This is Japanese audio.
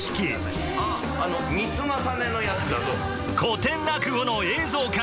古典落語の映像化